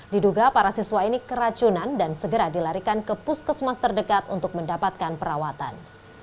diduga para siswa ini keracunan dan segera dilarikan ke puskesmas terdekat untuk mendapatkan perawatan